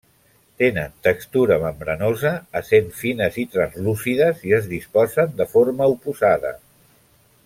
Tenen textura membranosa essent fines i translúcides i es disposen de forma oposada.